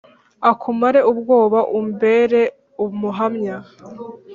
akumare ubwoba, umbere umuhamya